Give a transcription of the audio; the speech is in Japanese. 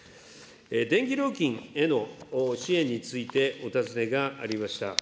電気料金への支援についてお尋ねがありました。